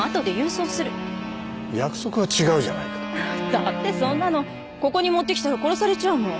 だってそんなのここに持ってきたら殺されちゃうもん。